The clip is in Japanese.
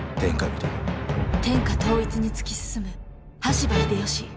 天下統一に突き進む羽柴秀吉。